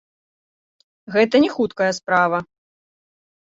Гэта не хуткая справа.